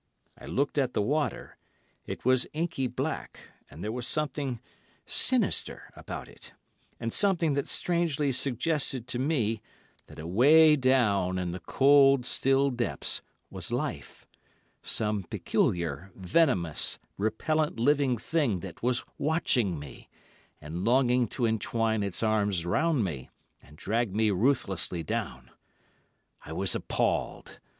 I looked at the water: it was inky black, and there was something sinister about it, something that strangely suggested to me, that away down in its cold, still depths was life—some peculiar, venomous, repellant living thing that was watching me, and longing to entwine its arms round me, and drag me ruthlessly down. I was appalled.